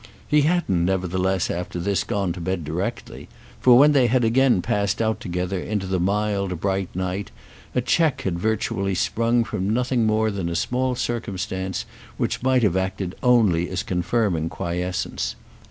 He hadn't nevertheless after this gone to bed directly; for when they had again passed out together into the mild bright night a check had virtually sprung from nothing more than a small circumstance which might have acted only as confirming quiescence.